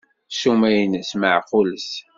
Ssuma-nnes meɛqulet.